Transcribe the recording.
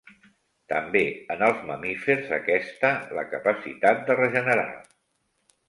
També en els mamífers aquesta la capacitat de regenerar.